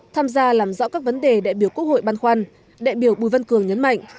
tham gia làm rõ các vấn đề đại biểu quốc hội ban khoan đại biểu bùi văn cường nhấn mạnh